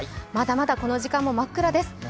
まだまだこの時間も真っ暗です。